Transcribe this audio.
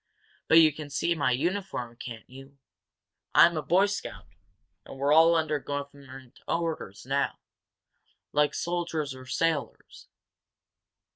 "But you can see my uniform, can't you? I'm a Boy Scout, and we're all under government orders now, like soldiers or sailors."